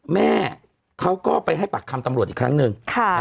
แม่เขาก็ไปให้ปากคำตำรวจอีกครั้งหนึ่ง